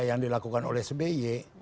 yang dilakukan oleh sby